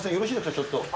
ちょっと。